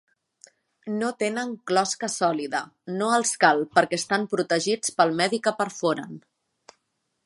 No tenen closca sòlida; no els cal perquè estan protegits pel medi que perforen.